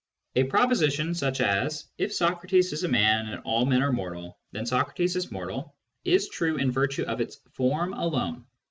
A proposition such as, " If Socrates is a man, and aU men are mortal, then Socrates is mortal," is true in virtue _of its form alone.